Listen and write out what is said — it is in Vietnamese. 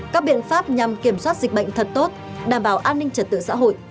các biện pháp nhằm kiểm soát dịch bệnh thật tốt đảm bảo an ninh trật tự xã hội phát triển kinh tế